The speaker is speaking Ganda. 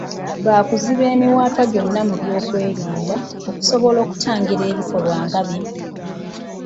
Baakuziba emiwaatwa gyonna mu byokwerinda, okusobola okutangira ebikolwa nga bino.